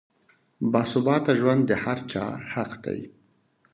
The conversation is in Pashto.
باثباته ژوند د هر چا حق دی.